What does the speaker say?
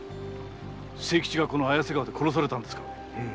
清吉はこの綾瀬川で殺されたんですか？